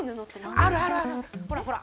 あるあるあるほらほら。